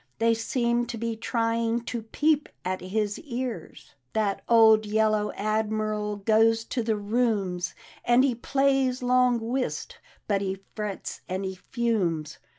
They seem to be trying to peep at his cars; That old Yellow Admiral goes to the Rooms, And he plays long whist, but he frets and he fumes.